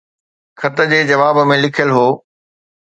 خط جي جواب ۾ لکيل هو.